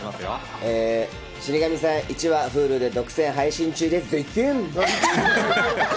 『死神さん』１話、Ｈｕｌｕで独占配信中です！